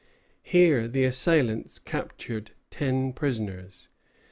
Here the assailants captured ten prisoners.